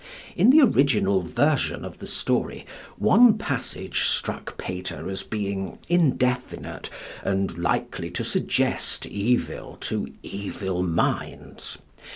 In the original version of the story one passage struck Pater as being indefinite and likely to suggest evil to evil minds.